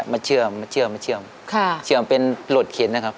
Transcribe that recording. มาเชื่อมมาเชื่อมเรี้ยงเป็นลดเข็นนะครับ